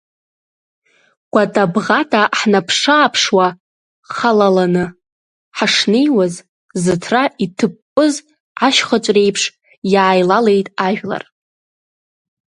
Гәатабӷата ҳнаԥшы-ааԥшуа, халаланы ҳашнеиуаз, зыҭра иҭыппыз ашьхыҵә реиԥш, иааилалеит ажәлар.